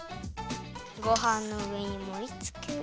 ごはんのうえにもりつける。